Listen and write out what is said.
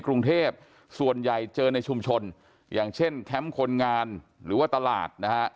กรุงเทพส่วนใหญ่เจอในชุมชนอย่างเช่นแคมป์คนงานหรือว่าตลาดนะฮะ